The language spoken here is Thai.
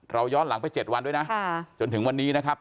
เราย้อนหลังไปเจ็ดวันด้วยนะค่ะจนถึงวันนี้นะครับ